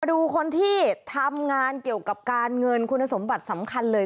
ดูคนที่ทำงานเกี่ยวกับการเงินคุณสมบัติสำคัญเลย